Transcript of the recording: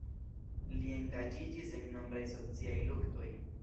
Li engaĝiĝis en nombraj sociaj luktoj.